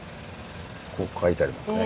ここ書いてありますね。